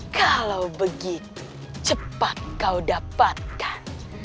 kalau begitu cepat kau dapatkan